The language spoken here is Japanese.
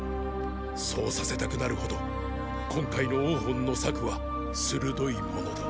そうさせたくなるほど今回の王賁の策は鋭いものだ。